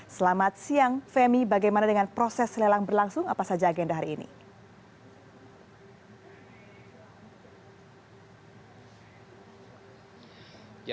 selamat siang femi bagaimana dengan proses lelang berlangsung apa saja agenda hari ini